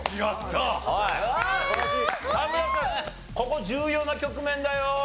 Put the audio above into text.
ここ重要な局面だよ。